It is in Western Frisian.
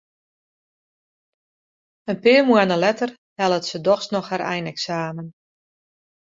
In pear moanne letter hellet se dochs noch har eineksamen.